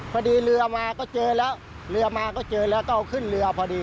พอดีเรือมาก็เจอแล้วเรือมาก็เจอแล้วก็เอาขึ้นเรือพอดี